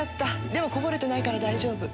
でもこぼれてないから大丈夫。